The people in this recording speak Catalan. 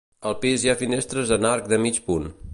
Al pis hi ha finestres en arc de mig punt.